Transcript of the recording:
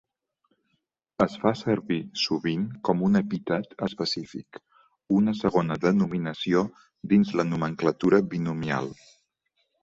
Es fa servir sovint com un epítet específic, una segona denominació dins la nomenclatura binomial.